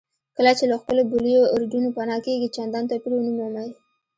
کله چې له ښکلو بولیوارډونو پناه کېږئ چندان توپیر ونه مومئ.